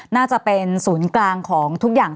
น่าจะเป็นศูนย์กลางของทุกอย่าง